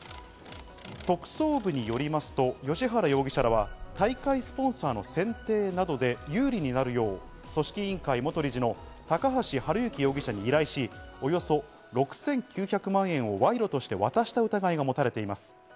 特捜部によりますと、芳原容疑者らは大会スポンサーの選定などで有利になるよう、組織委員会元事理の高橋治之容疑者に依頼し、およそ６９００万円を賄賂として渡した疑いがもたれています。